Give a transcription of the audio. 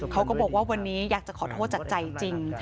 เขาก็บอกว่าวันนี้อยากจะขอโทษจากใจจริง